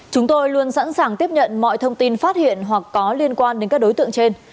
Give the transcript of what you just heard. chúng tôi luôn sẵn sàng tiếp nhận mọi thông tin phát hiện hoặc có liên quan đến các đối tượng trên